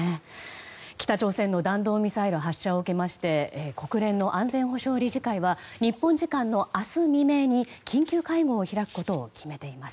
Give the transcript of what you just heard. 北朝鮮の弾道ミサイル発射を受けまして国連の安全保障理事会は日本時間の明日未明に緊急会合を開くことを決めています。